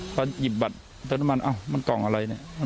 พอหยิบบัตรเติมน้ำมันมันกล่องอะไรเนี่ย